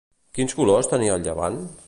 Quins colors tenia el llevant?